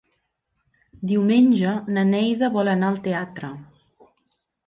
Diumenge na Neida vol anar al teatre.